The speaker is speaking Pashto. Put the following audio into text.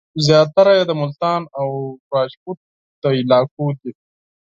زیاتره یې د ملتان او راجپوت له علاقو دي.